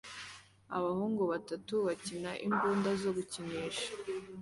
Abahungu batatu bakina imbunda zo gukinisha